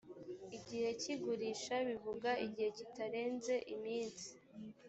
igihe cy igurisha bivuga igihe kitarenze iminsi